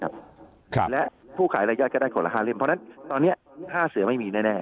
ครับและผู้ขายรายยอดก็ได้คนละห้าเล่มเพราะฉะนั้นตอนนี้๕เสือไม่มีแน่